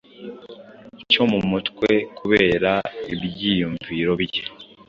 cyo mu mutwe kubere ibyuyumviro bye.